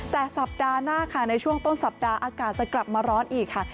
แต่สัปดาห์หน้าค่ะในช่วงต้นสัปดาห์อากาศจะกลับมาร้อนอีกค่ะ